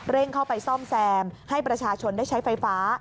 เข้าไปซ่อมแซมให้ประชาชนได้ใช้ไฟฟ้า